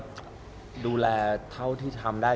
ก็ดูแลเท่าที่ทำได้